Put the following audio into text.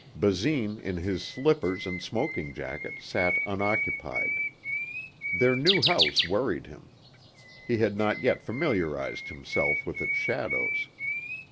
Basine in his slippers and smoking jacket sat unoccupied. Their new house worried him. He had not yet familiarized himself with its shadows.